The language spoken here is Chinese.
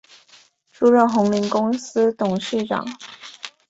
出任鸿霖公司董事长。